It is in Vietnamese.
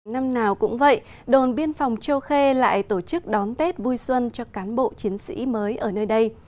năm nào cũng vậy đồn biên phòng châu khê lại tổ chức đón tết vui xuân cho cán bộ chiến sĩ mới ở nơi đây